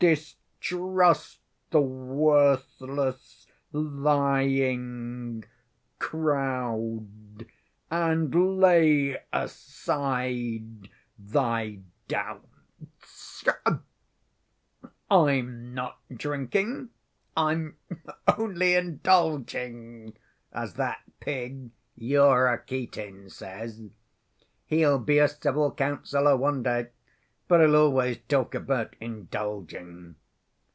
Distrust the worthless, lying crowd, And lay aside thy doubts. I'm not drinking, I'm only 'indulging,' as that pig, your Rakitin, says. He'll be a civil councilor one day, but he'll always talk about 'indulging.